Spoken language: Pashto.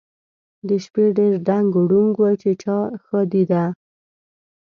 د شپې ډېر ډنګ ډونګ و چې د چا ښادي ده؟